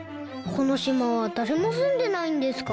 このしまはだれもすんでないんですか？